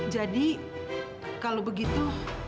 jadi kalau begitu